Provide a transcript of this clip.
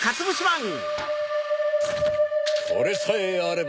これさえあれば！